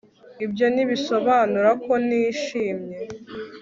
ibyo ntibisobanura ko ntishimye